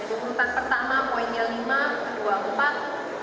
jadi urutan pertama poinnya lima dua empat tiga dua dan satu